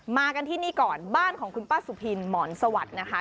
มากันที่นี่ก่อนบ้านของคุณป้าสุพินหมอนสวัสดิ์นะคะ